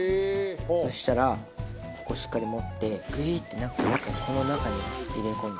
そしたらここしっかり持ってグイッて中にこの中に入れ込んで。